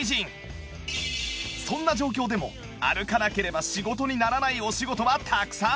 そんな状況でも歩かなければ仕事にならないお仕事はたくさん！